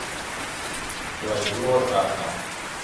دوای دوو ڕۆژ هاتنەوە